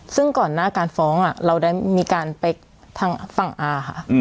ซึ่งก่อนหน้าการฟ้องเราได้มีการไปทางฝั่งอาค่ะ